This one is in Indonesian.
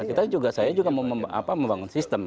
kita juga saya juga mau membangun sistem